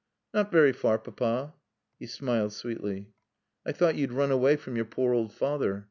"Not very far, Papa." He smiled sweetly. "I thought you'd run away from your poor old father.